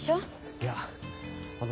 いやあの。